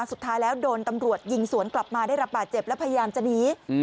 สุดท้ายแล้วโดนตำรวจยิงสวนกลับมาได้รับบาดเจ็บแล้วพยายามจะหนี